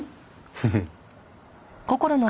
フフッ。